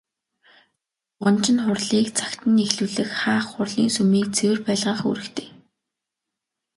Дуганч нь хурлыг цагт нь эхлүүлэх, хаах, хурлын сүмийг цэвэр байлгах үүрэгтэй.